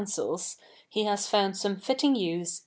icils He has found some fitting use eve?